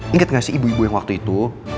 ingat gak sih ibu ibu yang waktu itu